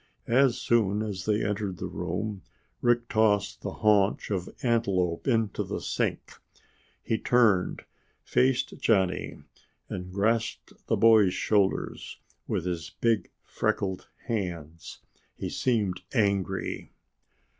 As soon as they entered the room, Rick tossed the haunch of antelope into the sink. He turned, faced Johnny, and grasped the boy's shoulders with his big freckled hands. He seemed angry.